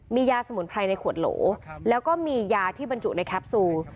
มียาสมุนไพรในขวดโหลแล้วก็มียาที่บรรจุในแคปซูล